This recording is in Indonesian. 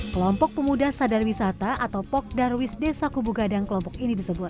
kelompok pemuda sadar wisata atau pok darwis desa kubu gadang kelompok ini disebut